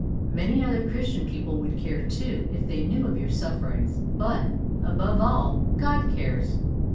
Many other Christian people would care, too, if they knew of your sufferings; but, above all, God cares.